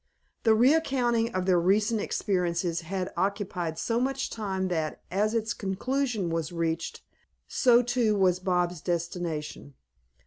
The recounting of their recent experiences had occupied so much time that, as its conclusion was reached, so too was Bobs' destination.